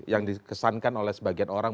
yang dikesankan oleh sebagian orang